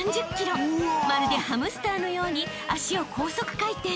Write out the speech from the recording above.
［まるでハムスターのように脚を高速回転］